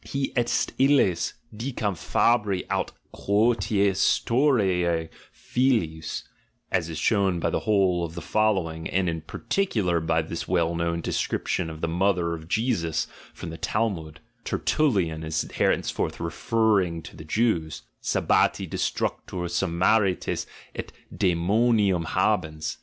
Hie est illes, dicam fabri aut qiKCstuario films" (as is shown by the whole of the following, and in par ticular by this well known description of the mother of Jesus from the Talmud, Tertullian is henceforth refer ring to the Jews), "sabbati destructor, Samarites et decmoniurn habeus.